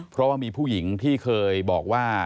เพราะว่ามีผู้หญิงที่เคยบอกว่า